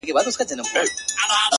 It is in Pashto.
جدايي وخوړم لاليه. ستا خبر نه راځي.